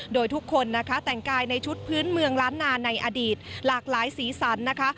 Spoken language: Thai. โดยทุกคนนะคะแต่งกายในชุดพื้นเมืองล้านนาในอดีตหลากหลายสีสันนะคะ